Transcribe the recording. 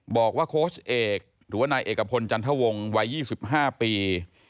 บอกว่าโค้ชเอกหรือว่านายเอกพลจันทวงศ์วัย๒๕ปี